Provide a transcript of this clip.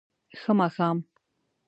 ښه ماښام